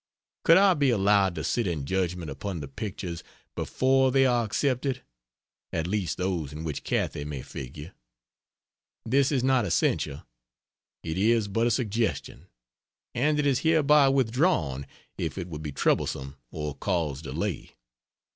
Could I be allowed to sit in judgment upon the pictures before they are accepted at least those in which Cathy may figure? This is not essential. It is but a suggestion, and it is hereby withdrawn, if it would be troublesome or cause delay.